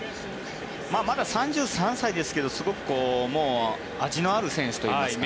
まだ３３歳ですけどすごく味のある選手といいますかね。